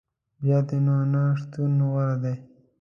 بیا دي نو نه شتون غوره دی